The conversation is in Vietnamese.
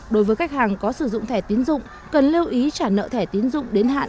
đối với khách hàng có sử dụng thẻ tiến dụng cần lưu ý trả nợ thẻ tiến dụng đến hạn